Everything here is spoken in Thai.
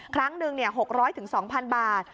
ครั้งหนึ่ง๖๐๐๒๐๐บาท